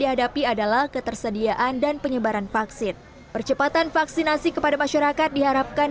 dihadapi adalah ketersediaan dan penyebaran vaksin percepatan vaksinasi kepada masyarakat diharapkan